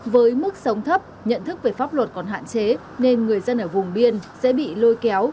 với mức sống thấp nhận thức về pháp luật còn hạn chế nên người dân ở vùng biên sẽ bị lôi kéo